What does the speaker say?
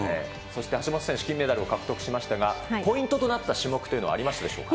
そして橋本選手、金メダルを獲得しましたが、ポイントとなった種目というのはありましたでしょうか。